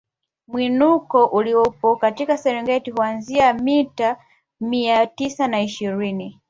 Mwinuklo uliopo katika Serengeti huanzia mita mia tisa na ishirini